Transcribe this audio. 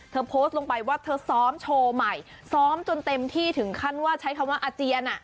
โพสต์ลงไปว่าเธอซ้อมโชว์ใหม่ซ้อมจนเต็มที่ถึงขั้นว่าใช้คำว่าอาเจียน